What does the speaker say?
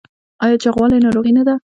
ایا چاغوالی ناروغي ده؟